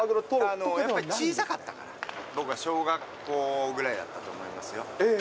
やっぱり小さかったから、僕が小学校ぐらいだったと思いますよ。